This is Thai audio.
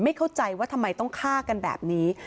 เข้าใจว่าทำไมต้องฆ่ากันแบบนี้